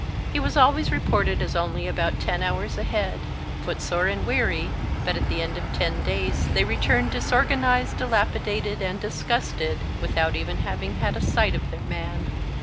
He was always reported as only about ten hours ahead, footsore and weary, but at the end of ten days they returned, disorganized, dilapidated, and disgusted, without even having had a sight of their man.